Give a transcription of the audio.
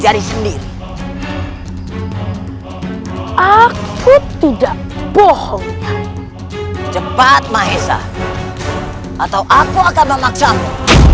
jari sendiri aku tidak bohong cepat mahesa atau aku akan memaksamu